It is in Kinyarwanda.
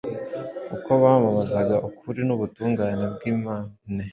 Uko bamamazaga ukuri n’ubutungane bwimane,